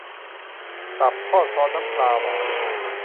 ตับทอดซอสน้ำปลาหวาน